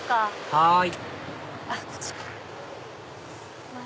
はい。